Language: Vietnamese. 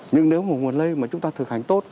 nhưng nếu một nguồn lây mà chúng ta thực hành tốt